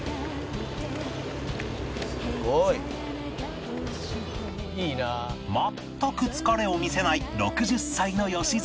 「すごい」全く疲れを見せない６０歳の良純